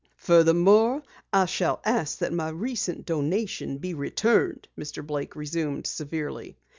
"Furthermore, I shall ask that my recent donation be returned," Mr. Blake resumed severely.